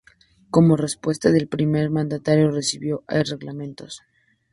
Como respuesta del primer mandatario recibió: ""¿Hay reglamentos?